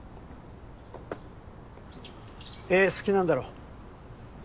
絵好きなんだろ？